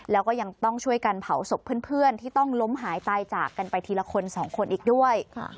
แล้วก็ยังต้องช่วยกันเผาศพเพื่อนที่ต้องล้มหายตายจากกันไปทีละคนสองคนอีกด้วย